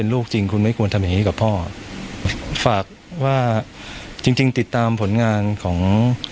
ลูกจริงคุณไม่ควรทำอย่างงี้กับพ่อฝากว่าจริงจริงติดตามผลงานของ